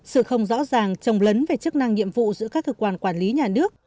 sự không rõ ràng trồng lấn về chức năng nhiệm vụ giữa các cơ quan quản lý nhà nước